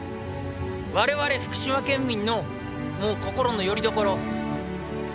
我々福島県民の心のよりどころ。